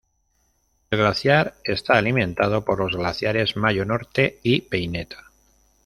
El glaciar está alimentado por los glaciares Mayo Norte y Peineta.